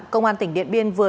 công an tỉnh điện biên vừa